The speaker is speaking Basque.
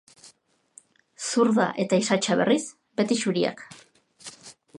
Zurda eta isatsa berriz, beti zuriak.